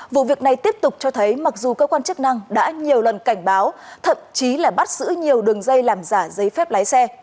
vụ việc này tiếp tục cho thấy mặc dù cơ quan chức năng đã nhiều lần cảnh báo thậm chí là bắt giữ nhiều đường dây làm giả giấy phép lái xe